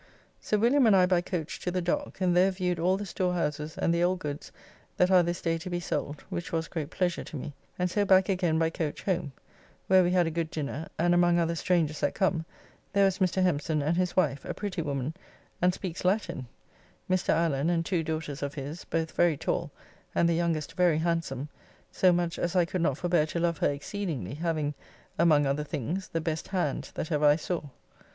Sir William and I by coach to the dock and there viewed all the storehouses and the old goods that are this day to be sold, which was great pleasure to me, and so back again by coach home, where we had a good dinner, and among other strangers that come, there was Mr. Hempson and his wife, a pretty woman, and speaks Latin; Mr. Allen and two daughters of his, both very tall and the youngest very handsome, so much as I could not forbear to love her exceedingly, having, among other things, the best hand that ever I saw.